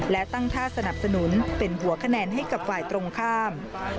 และตั้งท่าสนับสนุนเป็นหัวคะแนนให้กับฝ่ายตรงข้าม